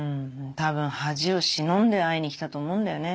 多分恥を忍んで会いに来たと思うんだよね。